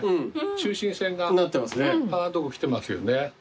中心線が鼻のとこきてますよね。